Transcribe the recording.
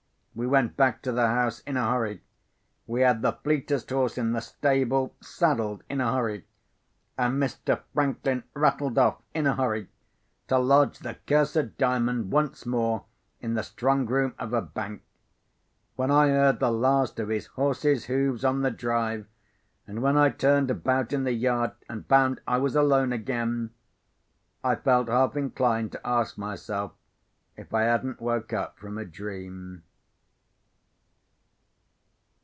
We went back to the house in a hurry; we had the fleetest horse in the stables saddled in a hurry; and Mr. Franklin rattled off in a hurry, to lodge the cursed Diamond once more in the strongroom of a bank. When I heard the last of his horse's hoofs on the drive, and when I turned about in the yard and found I was alone again, I felt half inclined to ask myself if I hadn't woke up from a dream.